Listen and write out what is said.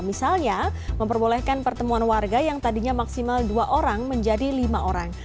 misalnya memperbolehkan pertemuan warga yang tadinya maksimal dua orang menjadi lima orang